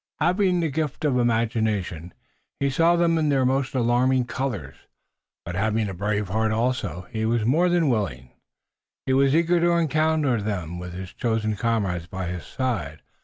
Having the gift of imagination, he saw them in their most alarming colors, but having a brave heart also, he was more than willing, he was eager to encounter them with his chosen comrades by his side.